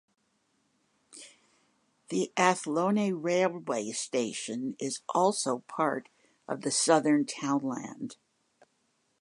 The Athlone railway station is also part of the southern townland.